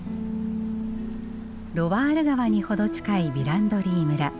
ロワール川に程近いヴィランドリー村。